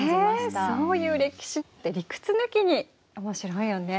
ねえそういう歴史って理屈抜きにおもしろいよね。